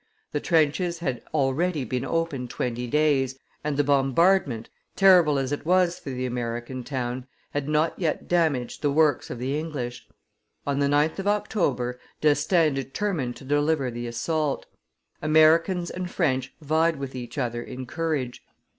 The trenches had already been opened twenty days, and the bombardment, terrible as it was for the American town, had not yet damaged the works of the English. On the 9th of October, D'Estaing determined to deliver the assault. Americans and French vied with each other in courage.